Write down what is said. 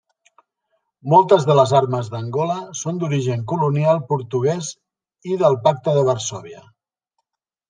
Moltes de les armes d'Angola són d'origen colonial portuguès i del Pacte de Varsòvia.